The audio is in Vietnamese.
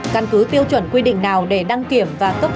căn cứ tiêu chuẩn quy định nào để đăng kiểm